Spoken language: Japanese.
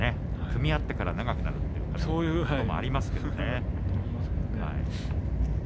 組み合ってから長くなるということもありますけれどもね。